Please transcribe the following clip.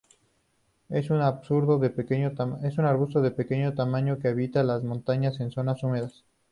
Es un arbusto de pequeño tamaño que habita en las montañas en zonas húmedas.